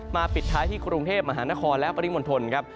ปิดท้ายที่กรุงเทพมหานครและปริมณฑลครับ